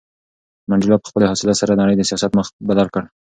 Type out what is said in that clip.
منډېلا په خپلې حوصلې سره د نړۍ د سیاست مخ بدل کړ.